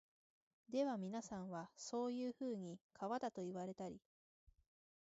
ではみなさんは、そういうふうに川だと云いわれたり、